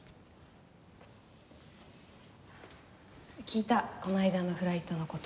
聞いたこの間のフライトの事。